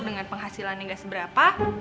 dengan penghasilan yang gak seberapa